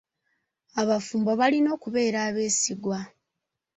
Abafumbo balina okubeera abeesigwa.